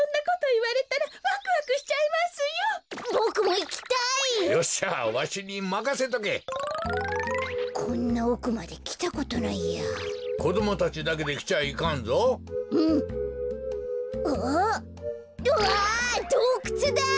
わあどうくつだ！